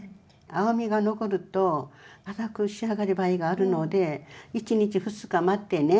青みが残ると堅く仕上がる場合があるので１日２日待ってね